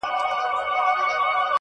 هم په غره هم په ځنګلونو کي غښتلی -